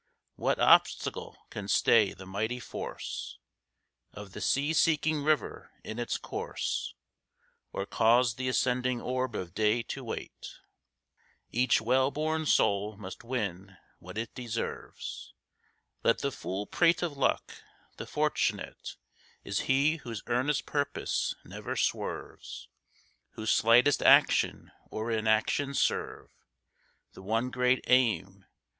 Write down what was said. What obstacle can stay the mighty force Of the sea seeking river in its course, Or cause the ascending orb of day to wait? Each well born soul must win what it deserves. Let the fool prate of luck. The fortunate Is he whose earnest purpose never swerves, Whose slightest action or inaction serve. The one great aim.